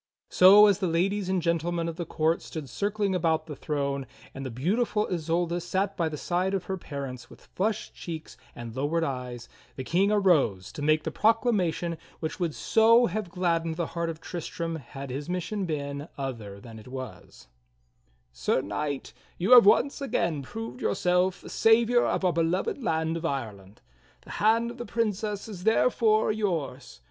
So, as the ladies and gentlemen of the court stood circling about the throne, and the beautiful Isolda sat by the side of her parents with flushed cheeks and lowered eyes, the King arose to make the ])roclamation which would so have gladdened the heart of Tristram had his mission been other than it was: "Sir Knight, you have once again proved yourself the savior of TRISTRAM, THE FOREST KNIGHT 77 our beloved land of Ireland. The hand of the Princess is therefore yours.